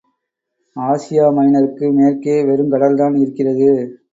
ஆசியாமைனருக்கு மேற்கே வெறுங் கடல்தான் இருக்கிறது.